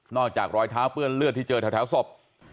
รอยเท้าเปื้อนเลือดที่เจอแถวศพ